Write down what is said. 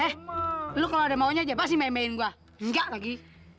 hei lu kalau ada maunya aja pasti memehin gua enggak lagi